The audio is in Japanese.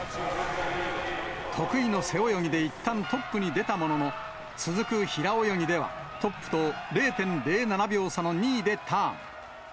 得意の背泳ぎでいったんトップに出たものの、続く平泳ぎでは、トップと０．０７秒差の２位でターン。